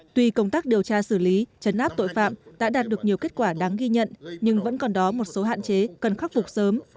tuy công tác điều tra xử lý chấn áp tội phạm đã đạt được nhiều kết quả đáng ghi nhận nhưng vẫn còn đó một số hạn chế cần khắc phục sớm